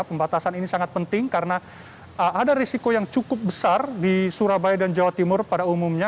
pembatasan ini sangat penting karena ada risiko yang cukup besar di surabaya dan jawa timur pada umumnya